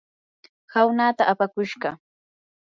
hawnaata apakushqa.